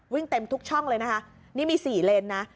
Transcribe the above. เต็มทุกช่องเลยนะคะนี่มี๔เลนนะ